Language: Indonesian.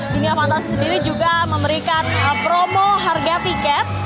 dunia fantasi sendiri juga memberikan promo harga tiket